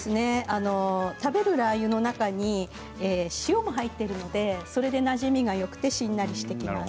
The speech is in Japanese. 食べるラーユの中に塩も入っているのでそれでなじみがよくてしんなりしてきます。